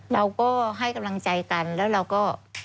เราก็ให้กำลังใจกันแล้วเราก็